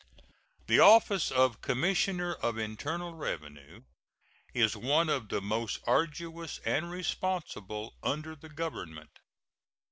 The office of Commissioner of Internal Revenue is one of the most arduous and responsible under the Government.